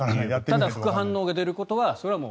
ただ、副反応が出ることはそれはもう。